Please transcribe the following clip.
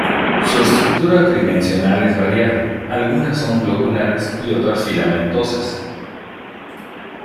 Su estructura tridimensional es variable, algunas son globulares y otras filamentosas.